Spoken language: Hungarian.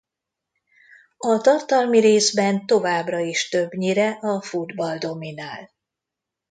A tartalmi részben továbbra is többnyire a futball dominál.